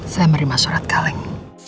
saya menerima surat kaleng